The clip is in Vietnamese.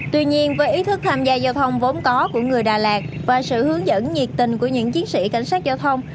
tuy nhiên với ý thức tham gia giao thông vốn có của người đà lạt và sự hướng dẫn nhiệt tình của những chiến sĩ cảnh sát giao thông